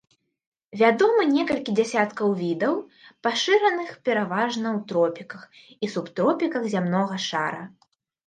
Вядомы некалькі дзясяткаў відаў, пашыраных пераважна ў тропіках і субтропіках зямнога шара.